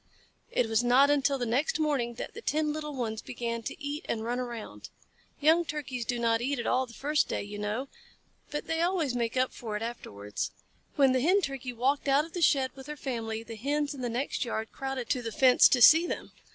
It was not until the next morning that the ten little ones began to eat and to run around. Young Turkeys do not eat at all the first day, you know, but they always make up for it afterwards. When the Hen Turkey walked out of the shed with her family, the Hens in the next yard crowded to the fence to see them.